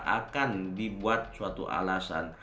akan dibuat suatu alasan